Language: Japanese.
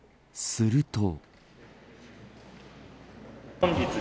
すると。